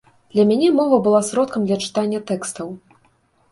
Для мяне мова была сродкам для чытання тэкстаў.